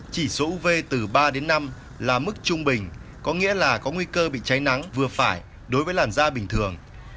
chỉ số uv từ ba đến năm là mức trung bình có nghĩa là có nguy cơ bị cháy nắng vừa phải đối với làn da bình thường